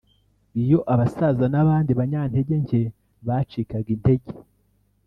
iyo abasaza n’abandi banyantege nke bacikaga intege